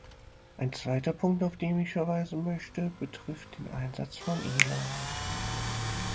Ein zweiter Punkt, auf den ich verweisen möchte, betrifft den Einsatz von e-learning.